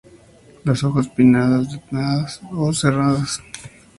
Las hojas pinnadas, dentadas o serradas.